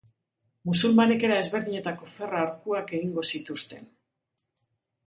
Musulmanek era ezberdinetako ferra arkuak egingo zituzten.